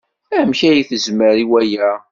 Amek ay tezmer i waya?